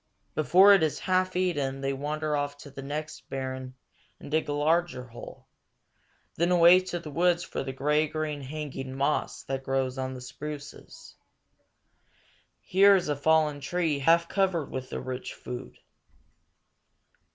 Before it is half eaten they wander off to the next barren and dig a larger hole; then away to the woods for the gray green hanging moss that grows on the spruces. Here is a fallen tree half covered with the rich food.